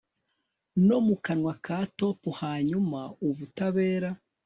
No mu kanwa ka top Hanyuma ubutabera